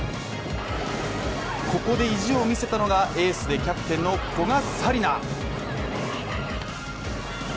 ここで意地を見せたのがエースでキャプテンの古賀紗理那！